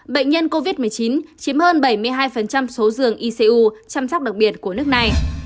bệnh nhân covid một mươi chín chiếm hơn bảy mươi hai số giường icu chăm sóc đặc biệt của nước này